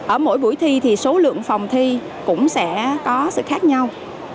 ở mỗi buổi thi thì số lượng phòng thi cũng sẽ có sự khác nhau